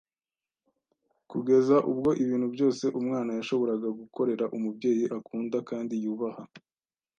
kugeza ubwo ibintu byose umwana yashoboraga gukorera umubyeyi akunda kandi yubaha,